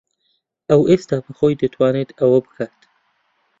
ئەو ئێستا بەخۆی دەتوانێت ئەوە بکات.